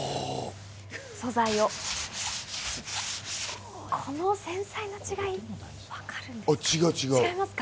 素材を、この繊細な違い分かりますか？